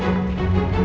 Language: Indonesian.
wajar perintah pak